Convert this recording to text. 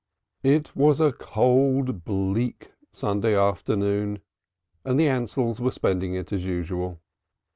It was a cold, bleak Sunday afternoon, and the Ansells were spending it as usual.